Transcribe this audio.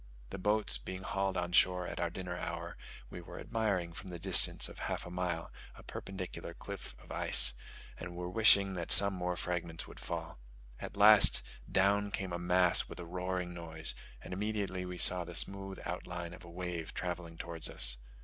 The boats being hauled on shore at our dinner hour, we were admiring from the distance of half a mile a perpendicular cliff of ice, and were wishing that some more fragments would fall. At last, down came a mass with a roaring noise, and immediately we saw the smooth outline of a wave travelling towards us.